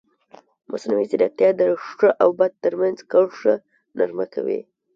مصنوعي ځیرکتیا د ښه او بد ترمنځ کرښه نرمه کوي.